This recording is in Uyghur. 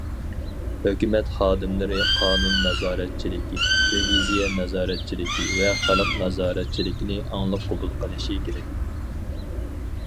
ھۆكۈمەت خادىملىرى قانۇن نازارەتچىلىكى، رېۋىزىيە نازارەتچىلىكى ۋە خەلق نازارەتچىلىكىنى ئاڭلىق قوبۇل قىلىشى كېرەك.